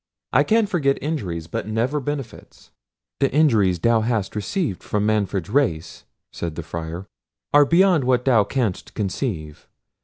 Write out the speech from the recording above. I can forget injuries, but never benefits." "The injuries thou hast received from Manfred's race," said the Friar, "are beyond what thou canst conceive.